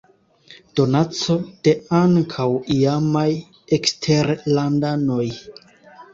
Donaco de ankaŭ iamaj eksterlandanoj.